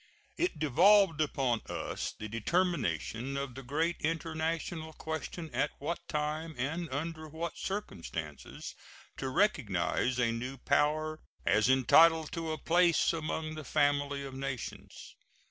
It devolved upon us the determination of the great international question at what time and under what circumstances to recognize a new power as entitled to a place among the family of nations.